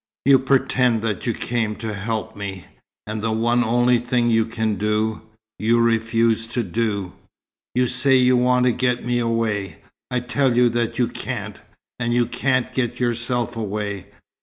You pretend that you came to help me, and the one only thing you can do, you refuse to do. You say you want to get me away. I tell you that you can't and you can't get yourself away.